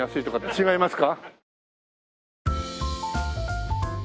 違いますか？